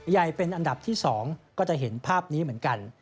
ใหญ่เป็นอันดับที่๒ก็จะเห็นภาพนี้เหมือนกัน